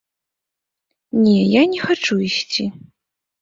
Не, я не хачу ісці.